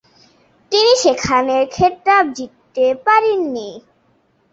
তিনি সেখানে খেতাব জিততে পারেন নি।